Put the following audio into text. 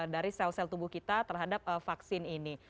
dari sel sel tubuh kita terhadap vaksin ini